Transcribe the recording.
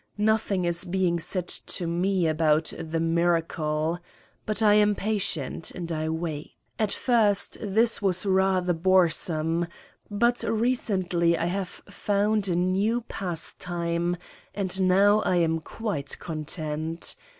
Nothing is being said to me about the "miracle." But I am patient, and I wait. At first this was rather boresome but recently I have found a new pastime and now I am quite content.